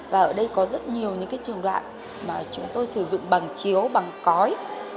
và ở đây có rất nhiều những cái trường đoạn mà chúng tôi sử dụng bằng chiếu bằng cói